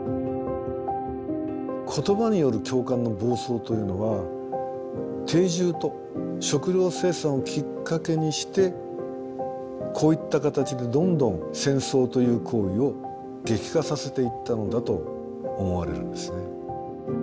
言葉による共感の暴走というのは定住と食料生産をきっかけにしてこういった形でどんどん戦争という行為を激化させていったのだと思われるんですね。